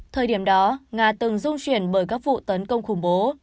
thời điểm đó nga từng dung chuyển bởi các vụ tấn công khủng bố